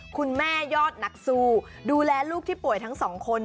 ยอดนักสู้ดูแลลูกที่ป่วยทั้งสองคน